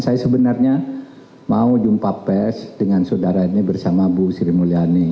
saya sebenarnya mau jumpa pes dengan saudara ini bersama bu sri mulyani